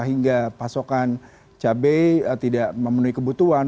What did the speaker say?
hingga pasokan cabai tidak memenuhi kebutuhan